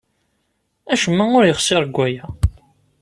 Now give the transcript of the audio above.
Acemma ur yexṣir deg waya.